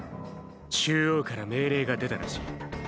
中央から命令が出たらしい。